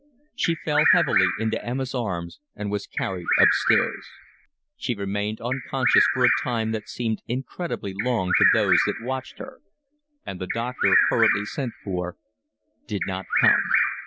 She fell heavily into Emma's arms and was carried upstairs. She remained unconscious for a time that seemed incredibly long to those that watched her, and the doctor, hurriedly sent for, did not come.